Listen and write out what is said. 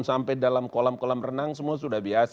sampai dalam kolam kolam renang semua sudah biasa